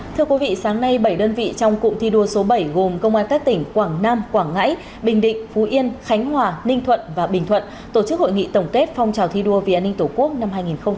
thưa quý vị sáng nay bảy đơn vị trong cụm thi đua số bảy gồm công an các tỉnh quảng nam quảng ngãi bình định phú yên khánh hòa ninh thuận và bình thuận tổ chức hội nghị tổng kết phong trào thi đua vì an ninh tổ quốc năm hai nghìn hai mươi